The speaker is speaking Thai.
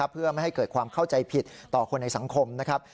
เพื่อไม่ให้เกิดความเข้าใจผิดต่อคนในสังคมนะครับ